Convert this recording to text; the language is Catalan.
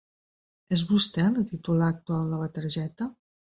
És vostè la titular actual de la targeta?